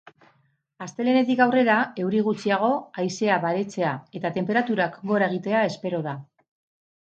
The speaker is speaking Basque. Astelehenetik aurrera euri gutxiago, haizea baretzea eta tenperaturak gora egitea espero da.